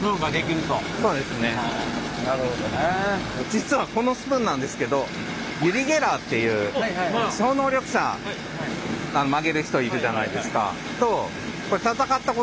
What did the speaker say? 実はこのスプーンなんですけどユリ・ゲラーっていう超能力者曲げる人いるじゃないですか。